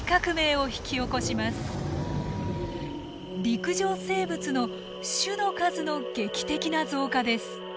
陸上生物の種の数の劇的な増加です。